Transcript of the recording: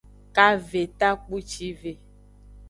Kave takpucive.